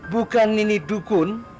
bukan ini dukun